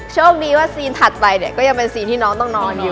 โชคดีว่าซีนถัดไปยังน้องต้องนอนอยู่